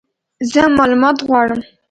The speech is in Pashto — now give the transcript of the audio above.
زه مالومات غواړم !